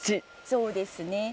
そうですね。